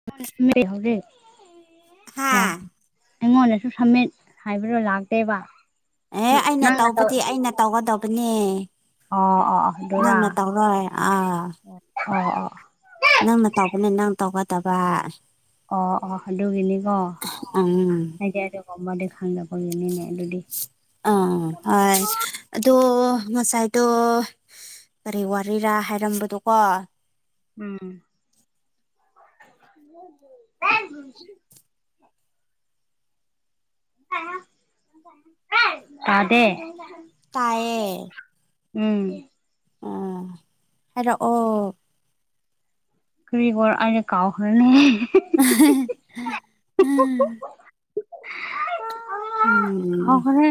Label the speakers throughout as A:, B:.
A: [unintelligible] ꯌꯥ
B: ꯍꯥꯥ
A: ꯑꯩꯉꯣꯟꯗꯁꯨ ꯁꯃꯤꯠ ꯍꯥꯏꯕꯗꯣ ꯂꯥꯛꯇꯦꯕ
B: ꯑꯦ ꯑꯩꯅ
A: ꯅꯪꯅ
B: ꯇꯧꯕꯗꯤ ꯑꯩꯅ ꯇꯧꯒꯗꯕꯅꯦ
A: ꯑꯣ ꯑꯣꯑꯣ ꯗꯨꯔꯥ
B: ꯑꯥ
A: ꯑꯣ ꯑꯣ
B: ꯅꯪꯅ ꯇꯧꯕꯅ ꯅꯪ ꯇꯧꯒꯗꯕ
A: ꯑꯣ ꯑꯣ ꯑꯗꯨꯒꯤꯅꯤꯀꯣ
B: ꯎꯝ
A: ꯑꯩꯗꯤ ꯑꯗꯨꯒꯨꯝꯕꯗꯤ ꯈꯪꯗꯕꯒꯤꯅꯦ ꯑꯗꯨꯗꯤ
B: ꯑ ꯍꯣꯏ ꯑꯗꯣ ꯉꯁꯥꯏꯗꯣ ꯀꯔꯤ ꯋꯥꯔꯤꯔꯥ ꯍꯥꯏꯔꯝꯕꯗꯨ ꯀꯣ
A: ꯎꯝ ꯇꯥꯗꯦ
B: ꯇꯥꯏꯌꯦ
A: ꯎꯝ
B: ꯑꯥ ꯍꯥꯏꯔꯛꯑꯣ
A: ꯀ꯭ꯔꯤꯕꯨꯔꯥ ꯑꯩꯪ ꯀꯥꯎꯈ꯭ꯔꯦꯅꯦ
B: ꯑ ꯍꯍ
A: [unintelligible]
B: ꯎꯝ
A: ꯍꯧꯈꯔꯦ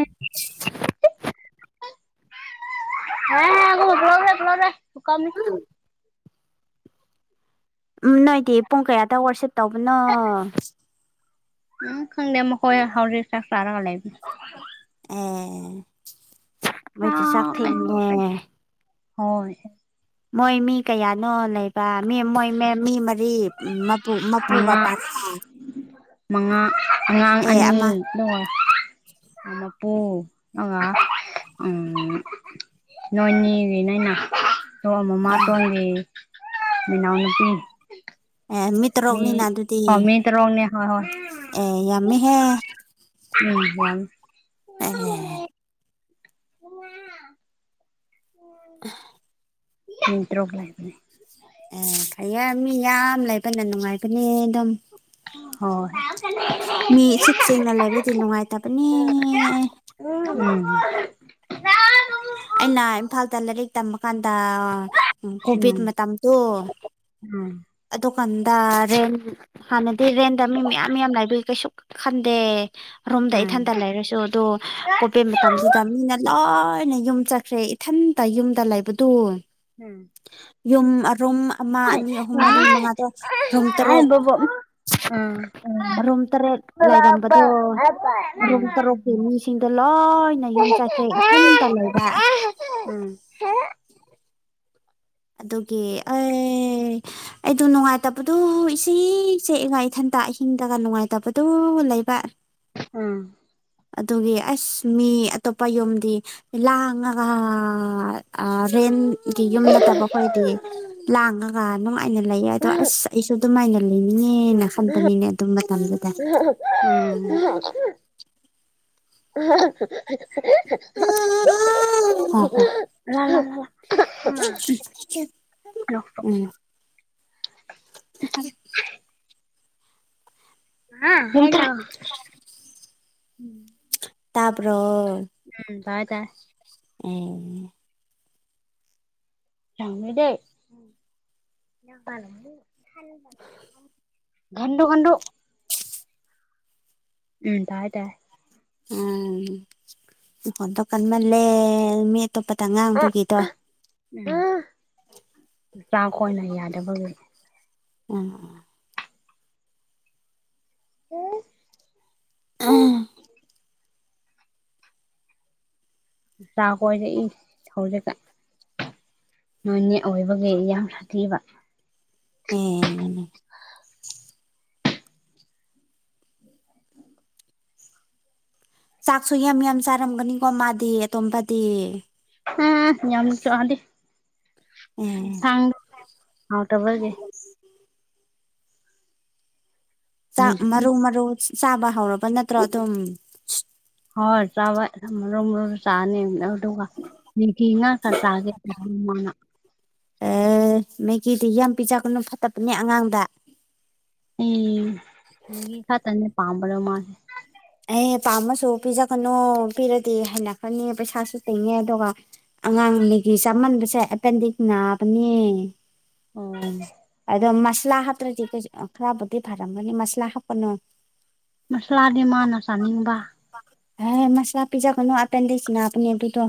A: [unintelligible] ꯄꯨꯀꯝꯃꯤ
B: [unintelligible] ꯎꯝ ꯅꯣꯏꯗꯤ ꯄꯨꯡ ꯀꯌꯥꯗ ꯋꯥꯔꯁꯤꯞ ꯇꯧꯕꯅꯣ
A: ꯎꯝ ꯈꯪꯗꯦ ꯃꯈꯣꯏ ꯍꯧꯖꯤꯛ ꯆꯥꯛ ꯆꯥꯔꯒ ꯂꯩꯕꯅꯦ
B: ꯑꯦ ꯃꯣꯏꯗꯤ ꯆꯥꯛ ꯊꯦꯡꯉꯦ
A: ꯍꯣꯏ
B: ꯃꯣꯏ ꯃꯤ ꯀꯌꯥꯅꯣ ꯂꯩꯕ ꯃꯤ ꯃꯣꯏ ꯃꯤ ꯃꯔꯤ ꯃꯄꯨꯒ
A: ꯃꯉꯥ
B: ꯄꯥ
A: ꯃꯉꯥ ꯑꯉꯥꯡ
B: ꯑꯦ
A: ꯑꯅꯤ
B: ꯑꯃ
A: [unintelligible] ꯅꯣꯏꯅꯤꯔꯤ ꯅꯣꯏꯅ ꯗꯣ
B: ꯑꯥ
A: ꯃꯃꯥꯇꯣꯟꯒꯤ ꯃꯅꯥꯎꯅꯨꯄꯤ
B: ꯑꯦ ꯃꯤ ꯇꯔꯨꯛꯅꯤꯅ ꯑꯗꯨꯗꯤ
A: ꯑꯣ ꯃꯤ ꯇꯔꯨꯛꯅꯦ ꯍꯣꯏ ꯍꯣꯏ
B: ꯑꯦ ꯌꯥꯝꯃꯤꯍꯦ
A: ꯎ ꯌꯥꯝꯃꯦ
B: [unintelligible] [unintelligible]
A: ꯃꯤꯇꯔꯨꯛ ꯂꯩꯕꯅꯦ
B: ꯑꯦ ꯑꯩꯌꯥ ꯃꯤ ꯌꯥꯝ ꯂꯩꯕꯅ ꯅꯨꯡꯉꯥꯏꯕꯅꯦ ꯑꯗꯨꯝ
A: [unintelligible] ꯍꯣꯏ
B: ꯃꯤ ꯏꯤꯆꯤꯛ ꯆꯦꯛꯅ ꯂꯩꯔꯗꯤ ꯅꯨꯡꯉꯥꯏꯇꯕꯅꯤ
A: ꯎꯝ
B: ꯑꯩꯅ ꯏꯝꯐꯥꯜꯗ ꯂꯥꯏꯔꯤꯛ ꯇꯝꯃꯀꯥꯟꯗ
A: ꯎꯝ ꯎꯝ
B: ꯑꯗꯨꯀꯥꯟꯗ ꯔꯦꯟ ꯍꯥꯟꯅꯗꯤ ꯔꯦꯟꯗ ꯃꯤ ꯃꯌꯥꯝ ꯃꯌꯥꯝ ꯂꯥꯏꯕꯩ ꯀꯩꯁꯨ ꯈꯟꯗꯦ ꯔꯣꯝꯗ
A: ꯎꯝ
B: ꯏꯊꯟꯇ ꯂꯩꯔꯁꯨ ꯑꯗꯣ ꯀꯣꯕꯤꯠ ꯃꯇꯝꯗꯨꯗ ꯃꯤꯅ ꯂꯣꯏꯅ ꯌꯨꯝ ꯆꯠ ꯈ꯭ꯔꯦ ꯏꯊꯟꯇ ꯌꯨꯝꯗ ꯂꯩꯕꯗꯨ
A: ꯎꯝ
B: ꯌꯨꯝ ꯔꯨꯝ ꯑꯃ ꯑꯅꯤ ꯑꯍꯨꯝ ꯃꯔꯤ ꯃꯉꯥ ꯗꯣ ꯔꯨꯝ ꯇꯔꯨꯛ
A: ꯎꯝ ꯎꯝ
B: ꯎꯝꯃꯔꯨꯝ ꯇꯔꯦꯠ
A: ꯎꯝ ꯎꯝ ꯎꯝ ꯂꯥ ꯂꯥ ꯂꯥ
B: ꯂꯩꯔꯝꯕꯗꯣ ꯃꯔꯨꯝ ꯇꯔꯨꯛ ꯇꯔꯦꯅꯤꯡ ꯁꯤꯡꯗꯣ ꯂꯣꯏꯅ ꯌꯨꯝ ꯆꯠꯈ꯭ꯔꯦ ꯏꯊꯟꯇ ꯌꯨꯝꯗꯥ ꯂꯩꯕ
A: [unintelligible]
B: ꯑꯗꯨꯒꯤ ꯑꯩ ꯑꯩꯗꯣ ꯅꯨꯡꯉꯥꯏꯇꯕꯗꯨ ꯏꯁꯤꯛ ꯆꯤꯛꯑꯒ ꯏꯊꯟꯇ ꯑꯍꯤꯡꯗꯒ ꯅꯨꯡꯉꯥꯏꯇꯕꯗꯨ ꯂꯩꯕ
A: ꯎꯝ
B: ꯑꯗꯨꯒꯤ ꯑꯁ ꯃꯤ ꯑꯇꯣꯞꯄ ꯌꯨꯝꯗꯤ ꯂꯥꯡꯑꯒꯥ ꯑꯥ ꯔꯦꯟ ꯗꯤ ꯌꯨꯝ ꯅꯠꯇꯕ ꯑꯩꯈꯣꯏꯗꯤ ꯂꯥꯡꯉꯒ ꯅꯨꯡꯉꯥꯏꯅ ꯂꯩꯌꯦ ꯑꯗꯣ ꯑꯁ ꯑꯩꯁꯨ ꯑꯗꯨꯃꯥꯏꯅ ꯂꯩꯅꯤꯡꯉꯦꯅ ꯈꯟꯕꯅꯤꯅꯦ ꯑꯗꯨ ꯃꯇꯝꯗꯨꯗ
A: ꯎꯝ [unintelligible]
B: ꯍ ꯍ
A: [unintelligible] [unintelligible]
B: ꯎꯝ [unintelligible]
A: [unintelligible] ꯎꯝ
B: ꯇꯥꯕ꯭ꯔꯣ
A: ꯎꯝ ꯇꯥꯏ ꯇꯥꯏ
B: ꯑꯦ
A: [unintelligible] [unintelligible] ꯎꯝ ꯇꯥꯏ ꯇꯥꯏ
B: ꯎꯝ ꯐꯣꯟꯗꯣ ꯀꯟꯃꯜꯂꯦ ꯃꯤ ꯑꯇꯣꯞꯄꯗ ꯉꯥꯡꯕꯒꯤꯗꯣ
A: ꯎꯝ ꯆꯥꯈꯣꯏꯅ ꯌꯥꯗꯕꯒꯤ
B: ꯎꯝ
A: [unintelligible]
B: [unintelligible]
A: ꯆꯥ ꯀꯣꯏꯔꯛꯏ ꯍꯧꯖꯤꯛꯀꯥꯟ ꯅꯣꯏꯅꯦ ꯑꯣꯏꯕꯒꯤ ꯌꯥꯝ ꯁꯥꯊꯤꯕ
B: ꯑꯦ ꯆꯥꯛꯁꯨ ꯌꯥꯝ ꯌꯥꯝ ꯆꯥꯔꯝꯒꯅꯤꯀꯣ ꯃꯥꯗꯤ ꯑꯇꯣꯝꯕꯗꯤ
A: ꯍꯝ ꯌꯥꯝ ꯆꯥꯗꯦ
B: ꯑꯦ
A: ꯢꯟꯁꯥꯡ ꯍꯥꯎꯇꯥꯕꯒꯤ
B: [inaudible] ꯆꯥꯛ
A: ꯃꯦꯒꯤ
B: ꯃꯔꯨ ꯃꯔꯨ ꯆꯥꯕ ꯍꯧꯔꯕ ꯅꯠꯇ꯭ꯔꯣ ꯑꯗꯨꯝ
A: ꯍꯣꯏ ꯆꯥꯕ ꯃꯔꯨ ꯃꯔꯨ ꯆꯥꯅꯤ ꯑꯗꯨꯒ ꯃꯦꯒꯤ ꯉꯥꯛꯇꯥ ꯆꯥꯒꯦ ꯃꯥꯅ
B: ꯑꯦ ꯃꯦꯒꯤꯗꯤ ꯌꯥꯝ ꯄꯤꯖꯥꯒꯅꯨ ꯐꯠꯇꯕꯅꯦ ꯑꯉꯥꯡꯗ
A: ꯎꯝ ꯃꯦꯒꯤ ꯈꯛꯇꯅꯦ ꯄꯥꯝꯕꯔꯣ ꯃꯥꯁꯦ
B: ꯑꯩ ꯄꯥꯝꯃꯁꯨ ꯄꯤꯖꯒꯅꯨ ꯄꯤꯔꯗꯤ ꯍꯩꯅꯈꯔꯅꯤ ꯄꯩꯁꯥꯁꯨ ꯇꯤꯡꯉꯦ ꯑꯗꯨꯒ ꯑꯉꯥꯡꯅ ꯃꯦꯒꯤ ꯆꯥꯃꯟꯕꯁꯦ ꯑꯦꯄꯦꯟꯗꯤꯛ ꯅꯥꯕꯅꯦ
A: ꯑꯣ
B: ꯑꯗꯣ ꯃꯁꯥꯂꯥ ꯍꯥꯞꯇ꯭ꯔꯗꯤ ꯀꯩꯁꯨ ꯑꯥ ꯈꯔꯕꯨꯗꯤ ꯐꯔꯝꯒꯅꯤ ꯃꯁꯥꯂꯥ ꯍꯥꯞꯀꯅꯨ
A: ꯃꯁꯥꯂꯥꯗꯤ ꯃꯥꯅ ꯆꯥꯅꯤꯡꯕ
B: ꯑꯦ ꯃꯁꯥꯂꯥ ꯄꯤꯖꯥꯒꯅꯨ ꯑꯦꯄꯦꯟꯗꯤꯛꯁ ꯅꯥꯒꯅꯤ ꯑꯗꯨꯗꯣ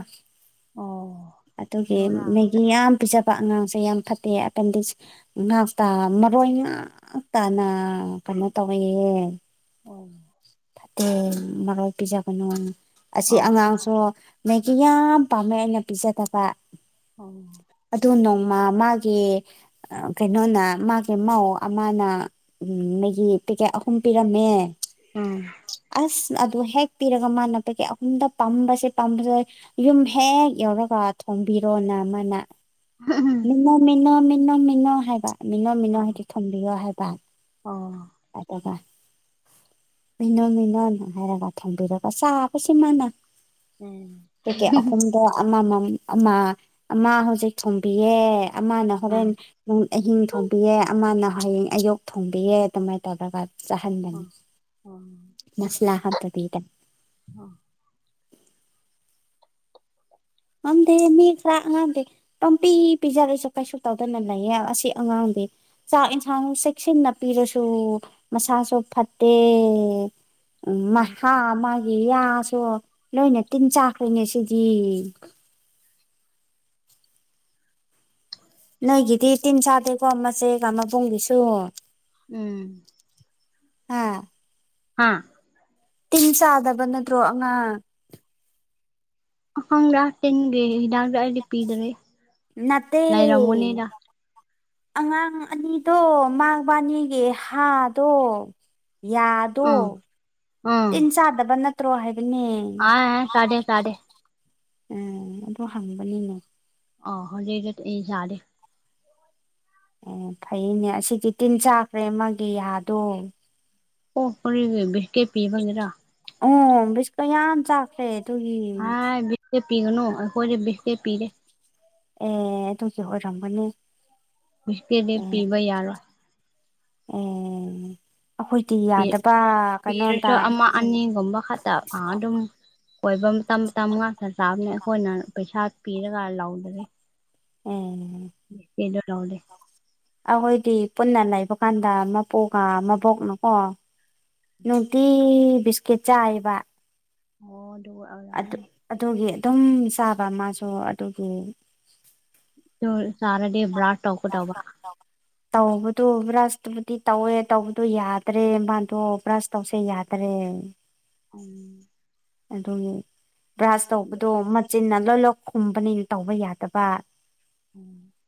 A: ꯑꯣ
B: ꯑꯗꯨꯒꯤ
A: ꯑꯗꯨꯔꯥ
B: ꯃꯦꯒꯤ ꯌꯥꯝ ꯄꯤꯖꯕ ꯑꯉꯥꯡꯁꯦ ꯌꯥꯝ ꯐꯠꯇꯦ ꯑꯦꯄꯦꯟꯗꯤꯛꯁ ꯉꯥꯁꯇ ꯃꯔꯣꯏ ꯉꯥꯛꯇꯅ ꯀꯩꯅꯣ ꯇꯧꯑꯦꯌꯦ
A: ꯑꯣꯝ
B: ꯐꯠꯇꯦ ꯃꯔꯣꯢ ꯄꯤꯖꯒꯅꯣ ꯑꯁꯤ
A: ꯑꯣ
B: ꯑꯉꯥꯡꯁꯨ ꯃꯦꯒꯤ ꯌꯥꯝ ꯄꯥꯝꯃꯦ ꯑꯩꯅ ꯄꯤꯖꯥꯗꯕ
A: [inaudible]
B: ꯑꯗꯨ ꯅꯣꯡꯃ ꯃꯥꯒꯤ ꯀꯩꯅꯣꯅ ꯃꯥꯒꯤ ꯃꯧ ꯑꯃꯅ ꯎꯝ ꯃꯦꯒꯤ ꯄꯦꯛꯀꯦꯠ ꯑꯍꯨꯝ ꯄꯤꯔꯝꯃꯦ
A: ꯎꯝ
B: ꯑꯁ ꯑꯗꯨ ꯍꯦꯛ ꯄꯤꯔꯒ ꯃꯥꯅ ꯄꯦꯀꯦꯠ ꯑꯍꯨꯝꯗ ꯄꯝꯕꯁꯦ ꯄꯝꯕꯁꯦ ꯌꯨꯝ ꯍꯦꯛ ꯌꯧꯔꯒ ꯊꯣꯡꯕꯤꯔꯣꯅ ꯃꯥꯅ
A: ꯍꯝ ꯍꯝ
B: ꯃꯤꯅꯣ ꯃꯤꯅꯣ ꯃꯤꯅꯣ ꯃꯤꯅꯣ ꯍꯥꯏꯕ ꯃꯤꯅꯣ ꯃꯤꯅꯣ
A: ꯑꯣ
B: ꯍꯥꯏꯗꯤ ꯊꯣꯡꯕꯤꯌꯣ ꯍꯥꯏꯕ
A: ꯑꯣ
B: ꯑꯥꯢ ꯑꯣꯔ ꯗꯔ ꯃꯤꯅꯣ ꯃꯤꯅꯣꯅ ꯍꯥꯏꯔꯒ ꯊꯣꯡꯕꯤꯔꯒ ꯆꯥꯒꯕꯁꯤ ꯃꯥꯅ
A: ꯎꯝ ꯑꯥ
B: ꯄꯦꯛꯀꯦꯠ ꯑꯍꯨꯝ ꯗꯣ ꯑꯃ ꯃꯝ ꯑꯃ ꯑꯃ ꯍꯧꯖꯤꯛ ꯊꯣꯝꯕꯤꯌꯦ ꯑꯃꯅ
A: ꯑꯣ
B: ꯍꯣꯔꯦꯟ ꯄꯨꯡ ꯑꯍꯤꯡ ꯊꯣꯡꯕꯤꯌꯦ ꯑꯃꯅ ꯍꯌꯦꯡ ꯑꯌꯨꯛ ꯊꯣꯡꯕꯤꯌꯦ ꯑꯗꯨꯃꯥꯏꯅ ꯇꯧꯔꯒ ꯆꯥꯍꯟꯕꯅꯤ
A: ꯑꯣ
B: ꯃꯁꯂꯥ ꯍꯥꯞꯇꯕꯤꯗ
A: ꯑꯥ
B: ꯉꯝꯗꯦ ꯃꯤ ꯈꯔ ꯑꯉꯥꯡꯗꯦ ꯇꯣꯝꯄꯤ ꯄꯤꯖ ꯂꯩꯁꯨ ꯀꯩꯁꯨ ꯇꯧꯗꯅ ꯂꯩꯌꯦ ꯑꯁꯤ ꯑꯉꯥꯡꯗꯤ ꯆꯥꯛ ꯢꯟꯁꯥꯡꯁꯨ ꯆꯦꯛꯁꯤꯟꯅ ꯄꯤꯔꯁꯨ ꯃꯁꯥꯥꯁꯨ ꯐꯠꯇꯦ ꯎꯝ ꯃꯥꯍꯥ ꯃꯥꯒꯤ ꯌꯥꯁꯨ ꯂꯣꯏꯅ ꯇꯤꯟ ꯆꯥꯛꯈ꯭ꯔꯦꯅꯦ ꯁꯤꯗꯤ ꯅꯣꯏꯒꯤꯗꯤ ꯇꯤꯟ ꯆꯥꯗꯦꯀꯣ ꯃꯆꯦꯒ ꯃꯕꯨꯡꯒꯤꯁꯨ
A: ꯎꯝ
B: ꯑꯥ
A: ꯍꯥꯥ
B: ꯇꯤꯟ ꯆꯥꯗꯕ ꯅꯠꯇ꯭ꯔꯣ ꯑꯉꯥꯡ
A: ꯑꯀꯣꯡꯔꯥ ꯆꯤꯡꯒꯤ ꯍꯤꯗꯥꯛꯇꯣ ꯑꯩꯗꯤ ꯄꯤꯗ꯭ꯔꯤ
B: ꯅꯠꯇꯦ
A: ꯂꯩꯔꯝꯒꯅꯤꯗ
B: ꯑꯉꯥꯡ ꯑꯅꯤꯗꯣ ꯃꯥꯥꯕꯥꯅꯤꯒꯤ ꯍꯥꯗꯣ ꯌꯥꯗꯣ
A: ꯎꯝ ꯎꯝ
B: ꯇꯤꯟ ꯆꯥꯗꯕ ꯅꯠꯇ꯭ꯔꯣ ꯍꯥꯏꯕꯅꯦ
A: ꯑꯥ ꯆꯥꯗꯦ ꯆꯥꯗꯦ
B: ꯎꯝ ꯑꯗꯣ ꯍꯪꯕꯅꯤꯅꯦ
A: ꯑꯣ [unintelligible]
B: ꯑꯣ ꯐꯩꯅꯦ ꯑꯁꯤꯗꯤ ꯇꯤꯟ ꯆꯥꯛꯈ꯭ꯔꯦ ꯃꯥꯒꯤ ꯌꯥꯗꯣ
A: ꯑꯣ [unintelligible] ꯕꯤꯁꯀꯤꯠ ꯄꯤꯕꯒꯤꯔꯥ
B: ꯎꯝ ꯕꯤꯁꯀꯨꯠ ꯌꯥꯥꯝ ꯆꯥ ꯈꯔꯦ ꯗꯨꯒꯤ
A: ꯑꯥ ꯕꯤꯁꯀꯨꯠ ꯄꯤꯒꯅꯨ ꯑꯩꯈꯣꯏꯗꯤ ꯕꯤꯁꯀꯨꯠ ꯄꯤꯗꯦ
B: ꯑꯦ ꯑꯗꯨꯒꯤ ꯑꯣꯏꯔꯝꯕꯅꯤ
A: ꯕꯤꯁꯀꯦꯠꯗꯤ ꯄꯤꯕ ꯌꯥꯔꯣꯏ
B: ꯑꯦ ꯑꯩꯈꯣꯏꯗꯤ ꯌꯥꯗꯕ ꯀꯩꯅꯣꯗ
A: ꯄꯤꯔꯁꯨ ꯑꯃ ꯑꯅꯤꯒꯨꯝꯕ ꯈꯛꯗ ꯄꯥ ꯑꯗꯨꯝ ꯀꯣꯏꯕꯝ ꯃꯇꯝ ꯃꯇꯝ ꯉꯥꯛꯇ ꯆꯥꯕꯅꯦ ꯑꯩꯈꯣꯏꯅ ꯄꯩꯁꯥ ꯄꯤꯔꯒ ꯂꯧꯗꯔꯦ
B: ꯑꯦ
A: [unintelligible] ꯇꯧꯗꯦ
B: ꯑꯈꯣꯏꯗꯤ ꯄꯨꯟꯅ ꯂꯩꯕ ꯀꯥꯟꯗ ꯃꯄꯨꯒ ꯃꯕꯣꯛꯅꯀꯣ ꯅꯨꯡꯇꯤ ꯕꯤꯁꯀꯤꯠ ꯆꯥꯏꯕ
A: ꯑꯣ ꯑꯗꯨ [unintelligible]
B: ꯑꯗꯨ ꯑꯗꯨꯒꯤ ꯑꯗꯨꯝ ꯆꯥꯕ ꯃꯥꯁꯨ ꯑꯗꯨꯒꯤ
A: ꯗꯨ ꯆꯥꯔꯗꯤ ꯕ꯭ꯔꯥꯁ ꯇꯧꯀꯗꯧꯕ
B: ꯇꯧꯕꯗꯨ ꯕ꯭ꯔꯁ ꯇꯨꯕꯨꯗꯤ ꯇꯧꯋꯦ ꯇꯧꯕꯗꯨ ꯌꯥꯗ꯭ꯔꯦ ꯃꯥꯗꯣ ꯕ꯭ꯔꯁ ꯇꯧꯁꯦ ꯌꯥꯗ꯭ꯔꯦ
A: ꯑꯝ
B: ꯑꯗꯨꯒꯤ ꯕ꯭ꯔꯥꯁ ꯇꯧꯕꯗꯣ ꯃꯆꯤꯟꯅ ꯂꯣꯏ ꯂꯣꯏ ꯈꯨꯝꯕꯅꯤ ꯇꯧꯕ ꯌꯥꯗꯕ
A: [inaudible]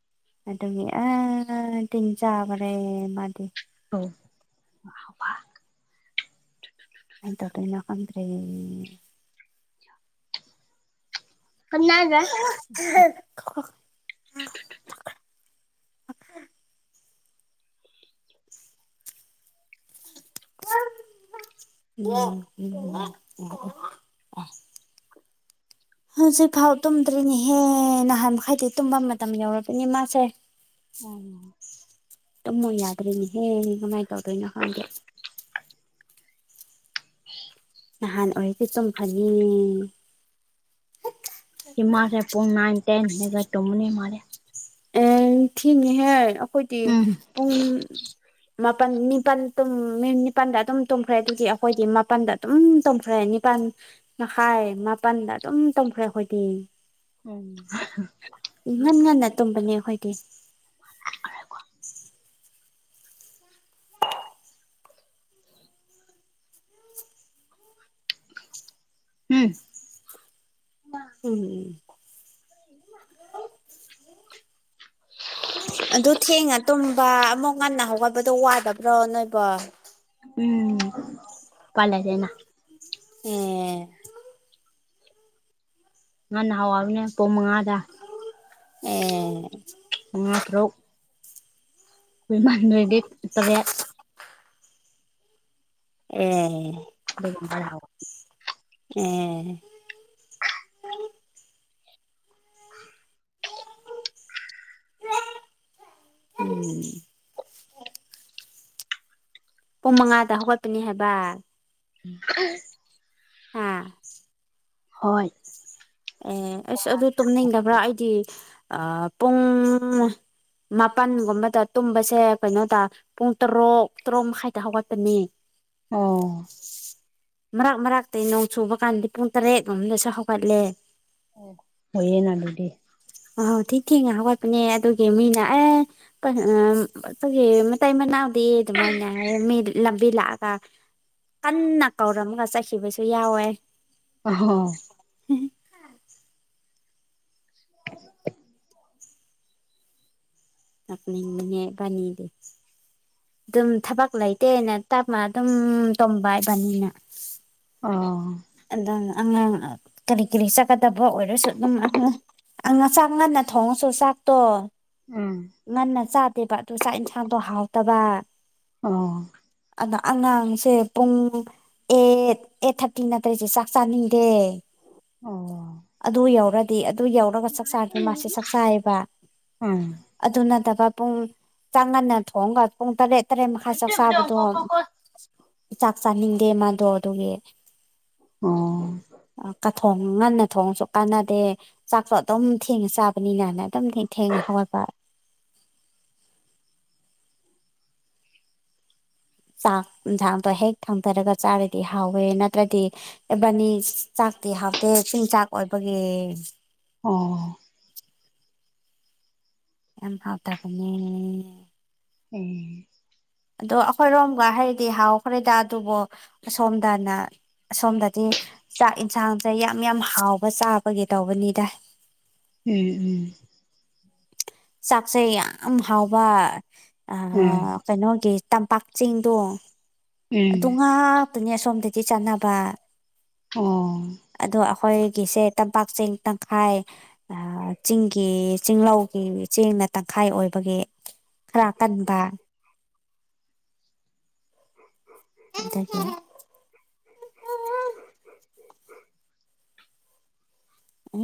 B: ꯑꯗꯨꯒꯤ ꯑꯥ ꯇꯤꯟ ꯆꯥꯕꯔꯦ ꯃꯥꯗꯤ
A: ꯑꯧ
B: ꯀꯩꯗꯧꯗꯣꯏꯅꯣ ꯈꯪꯗ꯭ꯔꯦ
A: [unintelligible]
B: [unintelligible] [unintelligible] ꯍꯧꯖꯤꯛꯐꯥꯎ ꯇꯨꯝꯗ꯭ꯔꯤꯅꯦꯍꯦ ꯅꯍꯥꯟ ꯃꯈꯩꯗꯤ ꯇꯨꯝꯕ ꯃꯇꯝ ꯌꯧꯔꯕꯅꯤ ꯃꯥꯁꯦ
A: ꯎꯝ
B: ꯇꯨꯝꯃꯣ ꯌꯥꯗ꯭ꯔꯦꯅꯦꯍꯦ ꯀꯝꯃꯥꯏ ꯇꯧꯗꯣꯏꯅꯣ ꯈꯪꯗꯦ ꯅꯍꯥꯟ ꯑꯣꯏꯗꯤ ꯇꯨꯝꯈ꯭ꯔꯅꯤ
A: ꯏꯃꯥꯁꯦ ꯄꯨꯡ ꯅꯥꯏꯟ ꯇꯦꯟ [unintelligible] ꯇꯨꯝꯕꯅꯤ ꯃꯥꯗꯤ
B: ꯑꯦ ꯊꯦꯡꯉꯤꯍꯦ ꯑꯈꯣꯏꯗꯤ
A: ꯎꯝ
B: ꯄꯨꯡ ꯃꯥꯄꯟ ꯅꯤꯄꯥꯟ ꯇꯨꯝꯃꯦ ꯅꯤꯄꯥꯟꯗ ꯑꯗꯨꯝ ꯇꯨꯝꯈ꯭ꯔꯦ ꯑꯗꯨꯗꯤ ꯑꯈꯣꯏꯗꯤ ꯃꯥꯄꯟꯗ ꯗꯨꯝ ꯇꯨꯝꯈ꯭ꯔꯦ ꯅꯤꯄꯥꯟ ꯃꯈꯥꯏ ꯃꯥꯄꯟꯗ ꯑꯗꯨꯝ ꯇꯨꯝꯈ꯭ꯔꯦ ꯑꯈꯣꯏꯗꯤ
A: ꯑꫭꯝ [unintelligible]
B: ꯕꯅꯦ ꯑꯈꯣꯏꯗꯤ
A: ꯎꯝ [unintelligible]
B: [unintelligible]
A: [inaudible]
B: ꯑꯗꯨ ꯊꯦꯡꯉ ꯇꯨꯝꯕ ꯑꯃꯨꯛ ꯉꯟꯅ ꯍꯧꯒꯠꯄꯗꯣ ꯋꯥꯗꯕ꯭ꯔꯣ ꯅꯣꯏꯕꯣ
A: ꯎꯝ ꯎꯄꯥꯏ ꯂꯩꯇꯦꯅ
B: ꯑꯦ
A: ꯉꯟꯅ ꯍꯧꯒꯠ [unintelligible] ꯄꯨꯡ ꯃꯉꯥꯗ
B: ꯑꯦ
A: ꯃꯪꯉꯥ ꯇꯔꯨꯛ ꯋꫭꯏꯃꯥ ꯅꫭꯏꯗꯤ ꯇꯔꯦꯠ
B: ꯑꯦ
A: ꯑꯗꯨꯒꯨꯝꯕ [unintelligible]
B: ꯑꯦ [unintelligible] ꯄꯨꯡ ꯃꯉꯥꯗ ꯍꯧꯒꯠꯄꯅꯤ ꯍꯥꯏꯕ
A: [unintelligible]
B: ꯍꯥꯥ
A: ꯍꯣꯏ
B: ꯑꯦ ꯑꯁ ꯑꯗꯨ ꯇꯨꯝꯅꯤꯡꯗꯕ꯭ꯔꯥ ꯑꯩꯗꯤ ꯑꯥ ꯄꯨꯡ ꯃꯥꯄꯟꯒꯨꯝꯕꯗ ꯇꯨꯝꯕꯁꯦ ꯀꯩꯅꯣꯇ ꯄꯨꯡ ꯇꯔꯣꯛ ꯇꯔꯨꯛ ꯃꯈꯥꯏꯗ ꯍꯧꯒꯠꯄꯅꯦ
A: ꯑꯣ
B: ꯃꯔꯛ ꯃꯔꯛꯇꯥ ꯅꯣꯡ ꯆꯨꯕ ꯀꯥꯟꯗꯤ ꯄꯨꯡ ꯇꯔꯦꯠ ꯀꯨꯝꯗꯁꯨ ꯍꯧꯒꯠꯂꯦ
A: ꯑꯣ ꯐꯩꯌꯦꯅꯗꯨꯗꯤ
B: ꯌꯥꯍꯧ ꯊꯤ ꯊꯤꯡꯅ ꯍꯧꯒꯠꯄꯅꯦ ꯑꯗꯨꯒꯤ ꯃꯤꯅ ꯑꯦ [unintelligible] ꯃꯇꯩ ꯃꯅꯥꯎꯗꯤ ꯑꯗꯨꯃꯥꯏꯅ ꯍꯥꯌꯦ ꯃꯤ ꯂꯝꯕꯤ ꯂꯥꯛꯑꯒ ꯀꯟꯅ ꯀꯧꯔꯝꯃꯒ ꯆꯠꯈꯤꯕꯁꯨ ꯌꯥꯎꯋꯦ
A: ꯑꯣꯍꯣ
B: [unintelligible]
A: [inaudible]
B: [unintelligible] ꯑꯗꯨꯝ ꯊꯕꯛ ꯂꯩꯇꯦꯅ ꯇꯞꯅ ꯑꯗꯨꯝ ꯇꯨꯝꯕ ꯏꯕꯅꯤꯅ
A: ꯑꯣ
B: ꯑꯗꯨꯅ ꯑꯉꯥꯡ ꯀꯔꯤ ꯀꯔꯤ ꯆꯠꯀꯗꯕ ꯑꯣꯏꯔꯁꯨ ꯑꯗꯨꯝ ꯑꯍꯥ ꯑꯉꯥ ꯆꯥꯛ ꯉꯟꯅ ꯊꯣꯡꯉꯁꯨ ꯆꯥꯛꯇꯣ
A: ꯎꯝ
B: ꯉꯟꯅ ꯆꯥꯗꯦꯕ ꯑꯗꯨ ꯆꯥꯛ ꯌꯦꯟꯁꯥꯡꯗꯣ ꯍꯥꯎꯇꯕꯥ
A: ꯑꯣ
B: ꯑꯅꯥ ꯑꯉꯥꯡꯁꯦ ꯄꯨꯡ ꯑꯦꯠ ꯑꯦꯠ ꯊꯥꯔꯇꯤ ꯅ ꯇꯔ꯭ꯗꯤ ꯆꯥꯛ ꯆꯥꯅꯤꯡꯗꯦ
A: ꯑꯣ ꯎꯝ ꯑꯣ ꯑꯣ
B: ꯑꯗꯨ ꯌꯧꯔ ꯑꯗꯨ ꯌꯧꯔꯒ ꯆꯥꯛ
A: ꯎꯝ
B: ꯆꯥꯗꯤ ꯃꯥꯁꯦ ꯆꯥꯛ ꯆꯥꯏꯌꯦꯕ
A: ꯎꯝ ꯎꯝ ꯎꯝ ꯎꯝ
B: ꯑꯗꯨ ꯅꯠꯇꯕ ꯄꯨꯡ ꯆꯥꯛ ꯉꯟꯅ ꯊꯣꯡꯉꯒ ꯄꯨꯡ ꯇꯔꯦꯠ ꯇꯔꯦꯠ ꯃꯈꯥꯏ ꯆꯥꯛ ꯆꯥꯕꯗꯣ ꯆꯥꯛ ꯆꯥꯅꯤꯡꯗꯦ ꯃꯥꯗꯣ ꯑꯗꯨꯒꯤ
A: ꯑꯣ
B: ꯀꯊꯣꯡ ꯉꯟꯅ ꯊꯣꯡꯉꯁꯨ ꯀꯥꯟꯅꯗꯦ ꯆꯥꯛꯁꯨ ꯑꯗꯨꯝ ꯊꯦꯡꯅ ꯆꯥꯕꯅꯤꯅꯅꯥ ꯑꯗꯨꯝ ꯊꯦꯡ ꯊꯦꯡꯅ ꯍꯧꯒꯠꯄ ꯆꯥꯛ ꯍꯦꯟꯁꯥꯡꯗꯣ ꯍꯦꯛ ꯊꯥꯡꯊꯔꯒ ꯆꯥꯔꯗꯤ ꯍꯥꯎꯋꯦ ꯅꯠꯇ꯭ꯔꯗꯤ ꯏꯕꯥꯅꯤ ꯆꯥꯛꯇꯤ ꯍꯥꯎꯇꯦ ꯆꯤꯡ ꯆꯥꯛ ꯑꯣꯏꯕꯒꯤ
A: ꯑꯣ
B: ꯌꯥꯝ ꯍꯥꯎꯇꯕꯅꯦ
A: ꯑꯨꯝ
B: ꯑꯗꯣ ꯑꯩꯈꯣꯏꯔꯣꯝꯒ ꯍꯥꯏꯔꯗꯤ ꯍꯥꯎꯈ꯭ꯔꯦꯗ ꯑꯗꯨꯕꯨ ꯑꯁꯣꯝꯗꯅ ꯑꯁꯣꯝꯗꯗꯤ ꯆꯥꯛ ꯏꯟꯁꯥꯡꯁꯦ ꯌꯥꯝ ꯌꯥꯝ ꯍꯥꯎꯕ ꯆꯥꯕꯒꯤ ꯇꯧꯕꯅꯤꯗ
A: ꯎꯝ ꯎꯝ
B: ꯆꯥꯛꯁꯦ ꯌꯥꯝ ꯍꯥꯎꯕ
A: ꯎꯝ
B: ꯀꯩꯅꯣꯒꯤ ꯇꯝꯄꯥꯛ ꯆꯦꯡꯗꯣ ꯑꯗꯨ ꯉꯥ ꯇꯅꯦ ꯑꯁꯣꯝꯗꯗꯤ ꯆꯥꯟꯅꯕ
A: ꯑꯣ
B: ꯑꯗꯣ ꯑꯩꯈꯣꯏꯒꯤꯁꯦ ꯇꯝꯄꯥꯛ ꯆꯦꯡ ꯇꯪꯈꯥꯏ ꯑꯥ ꯆꯤꯡꯒꯤ ꯆꯤꯡꯂꯧꯒꯤ ꯆꯦꯡꯅ ꯇꯪꯈꯥꯏ ꯑꯣꯏꯕꯒꯤ ꯈꯔ ꯀꯟꯕ [unintelligible]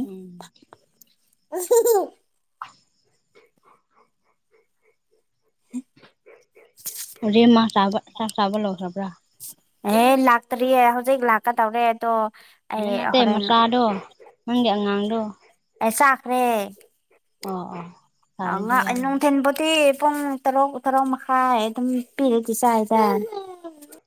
A: ꯎꯝ
B: [inaudible]
A: ꯍꯧꯖꯤꯛ ꯑꯃ ꯆꯥꯕ ꯆꯥꯛ ꯆꯥꯕ ꯂꯣꯢꯈ꯭ꯔꯕ꯭ꯔꯥ
B: ꯑꯦ ꯂꯥꯛꯇ꯭ꯔꯤꯌꯦ ꯍꯧꯖꯤꯛ ꯂꯥꯛꯀ ꯇꯧꯔꯦ ꯑꯗꯣ ꯑꯩ
A: ꯑꯦ ꯅꯠꯇꯦ
B: ꯍꯣꯔꯦꯟ
A: ꯃꯆꯥꯗꯣ ꯅꯪꯒꯤ ꯑꯉꯥꯡꯗꯣ
B: ꯑꯦ ꯆꯥꯈ꯭ꯔꯦ
A: ꯑꯣ ꯑꯣ
B: ꯍꯥꯎꯉ
A: ꯇꯥꯔꯗꯤ
B: ꯑꯩ
A: ꯌꯥꯔꯦ
B: ꯅꯣꯡꯊꯤꯟ ꯕꯨꯇꯤ ꯄꯨꯡ ꯇꯔꯨꯛ ꯇꯔꯨꯛ ꯃꯈꯥꯏ ꯑꯗꯨꯝ ꯄꯤꯔꯗꯤ ꯆꯥꯢꯗ